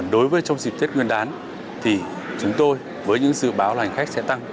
đối với trong dịp tết nguyên đán thì chúng tôi với những dự báo là hành khách sẽ tăng